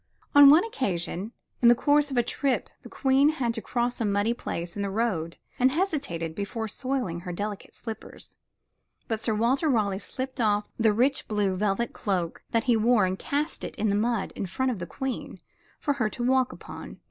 On one occasion in the course of a trip the Queen had to cross a muddy place in the road and hesitated before soiling her delicate slippers, but Sir Walter Raleigh slipped off the rich blue velvet cloak that he wore and cast it in the mud in front of the Queen for her to walk upon.